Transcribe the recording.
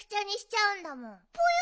ぽよ